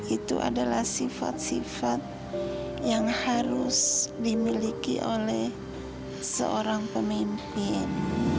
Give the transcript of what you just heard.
itu adalah sifat sifat yang harus dimiliki oleh seorang pemimpin